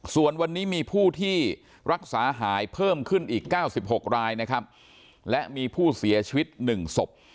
ส่วนวันนี้มีผู้ที่รักษาหายเพิ่มขึ้นอีก๙๖รายนะครับและมีผู้เสียชีวิต๑ศพ